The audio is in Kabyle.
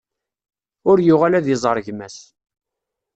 Ur yuɣal ad iẓer gma-s.